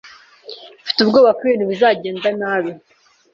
Mfite ubwoba ko ibintu bizagenda nabi.